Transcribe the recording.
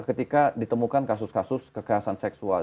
ketika ditemukan kasus kasus kekerasan seksual